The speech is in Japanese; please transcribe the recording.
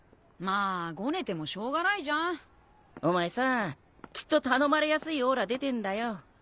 まあごねてもしょうがないじゃん。お前さぁきっと頼まれやすいオーラ出てんだよ。